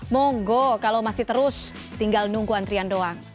monggo kalau masih terus tinggal nunggu antrian doang